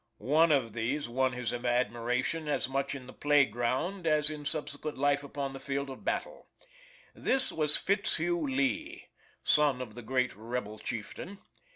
One of these won his admiration as much in the playground as in subsequent life upon the field of battle; this was Fitzhugh Lee, son of the great rebel chieftain.